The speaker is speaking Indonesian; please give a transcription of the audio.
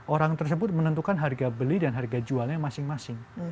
orang tersebut menentukan harga beli dan harga jualnya masing masing